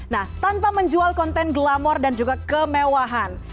nah tanpa menjual konten glamor dan juga kemewahan